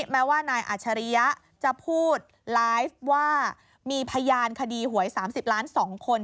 แม้ว่านายอัชริยะจะพูดไลฟ์ว่ามีพยานคดีหวย๓๐ล้าน๒คน